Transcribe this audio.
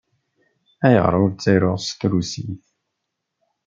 Ayɣer ur ttaruɣ s trusit?